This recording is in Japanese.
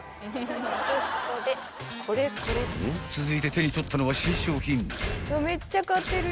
［続いて手に取ったのは新商品］